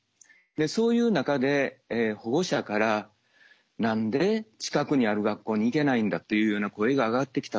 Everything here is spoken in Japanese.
そういう中で保護者から「何で近くにある学校に行けないんだ」というような声が上がってきたと。